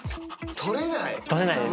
取れないですね。